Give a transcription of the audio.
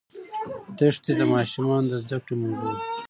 دښتې د ماشومانو د زده کړې موضوع ده.